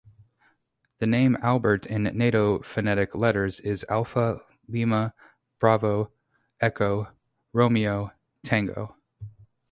The name Albert in Nato phonetic letters is Alfa, Lima, Bravo, Echo, Romeo, Tango.